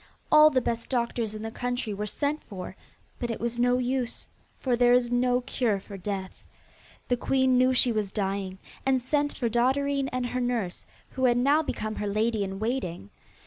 All the best doctors in the country were sent for, but it was no use, for there is no cure for death. The queen knew she was dying, and sent for Dotterine and her nurse, who had now become her lady in waiting.